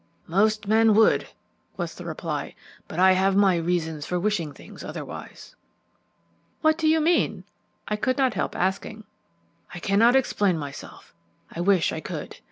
"Most men would," was the reply; "but I have my reasons for wishing things otherwise." "What do you mean?" I could not help asking. "I cannot explain myself; I wish I could.